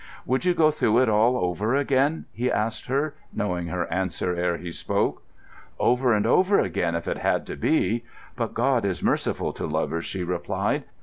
"Would you go through it all over again?" he asked her, knowing her answer ere he spoke. "Over and over again, if it had to be—but God is merciful to lovers," she replied.